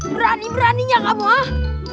berani beraninya kamu ha